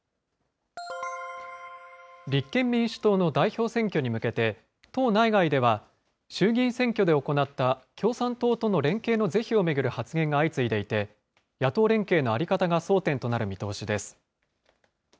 立憲民主党の代表選挙に向けて、党内外では、衆議院選挙で行った共産党との連携の是非を巡る発言が相次いでいて、野党連携の在り方が争点となる見通しです。